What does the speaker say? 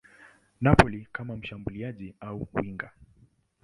Napoli kama mshambuliaji au winga.